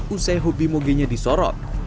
usai hobi moginya disorot